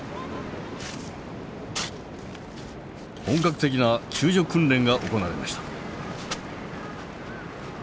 本格的な救助訓練が行われました。